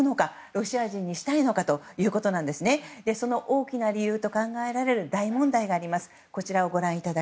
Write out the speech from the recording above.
ロシア人にしたいのかということですがその大きな理由と考えられる大問題があります。